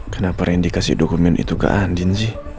kenapa rini kasih dokumen itu ke andin sih